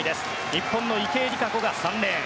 日本の池江璃花子が３レーン。